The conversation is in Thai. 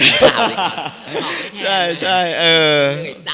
มันเหนื่อยจัง